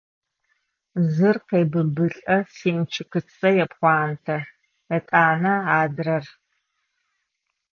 Зыр къебыбылӏэ, семчыкыцэ епхъуатэ, етӏанэ – адрэр…